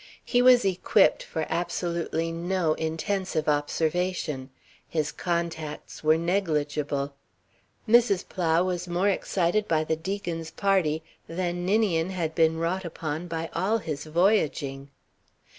He was equipped for absolutely no intensive observation. His contacts were negligible. Mrs. Plow was more excited by the Deacons' party than Ninian had been wrought upon by all his voyaging.